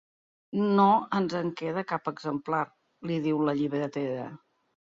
No ens en queda cap exemplar —li diu la llibretera—.